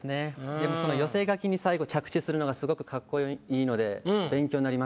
でもその「寄せ書き」に最後着地するのがすごく格好いいので勉強になりました。